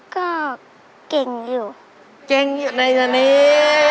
ก็เก่งอยู่เก่งอยู่ในตอนนี้